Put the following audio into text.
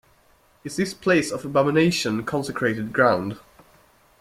Is this place of abomination consecrated ground?